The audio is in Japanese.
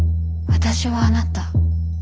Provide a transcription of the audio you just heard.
私はあなた。